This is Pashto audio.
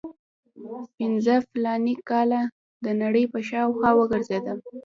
پنځه فلاني کاله د نړۍ په شاوخوا وګرځېدم.